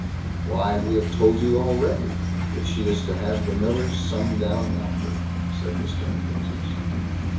"Why! we have told you already, that she is to have the miller's son down yonder", said the Stargazers.